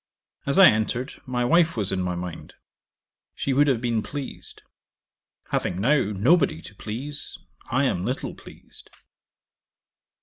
As I entered, my wife was in my mind: she would have been pleased. Having now nobody to please, I am little pleased.